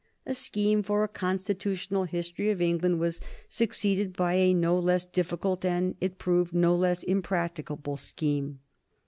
A scheme for a Constitutional History of England was succeeded by a no less difficult and, as it proved, no less impracticable scheme.